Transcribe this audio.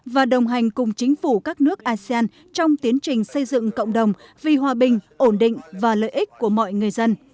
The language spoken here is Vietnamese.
và đồng hành cùng chính phủ các nước asean trong tiến trình xây dựng cộng đồng vì hòa bình ổn định và lợi ích của mọi người dân